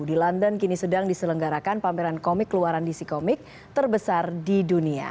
di london kini sedang diselenggarakan pameran komik keluaran dc komik terbesar di dunia